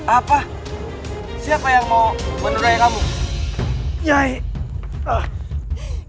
apa siapa yang mau beneraya kamu